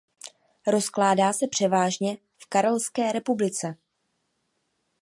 Rozkládá se převážně v Karelské republice.